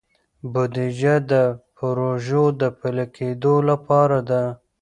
بودیجه د پروژو د پلي کیدو لپاره ده.